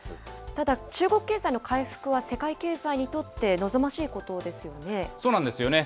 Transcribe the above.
ただ、中国経済の回復は世界経済にとって望ましいことですよそうなんですよね。